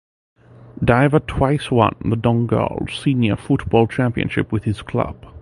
Diver twice won the Donegal Senior Football Championship with his club.